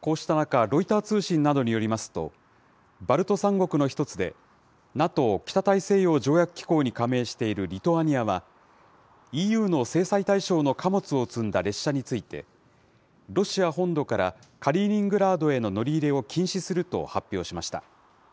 こうした中、ロイター通信などによりますと、バルト３国の１つで、ＮＡＴＯ・北大西洋条約機構に加盟しているリトアニアは、ＥＵの制裁対象の貨物を積んだ列車について、ロシア本土からカリーニングラードへの乗り入れを禁止すると発表しました。